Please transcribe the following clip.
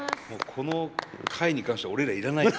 この回に関しては俺ら要らないな。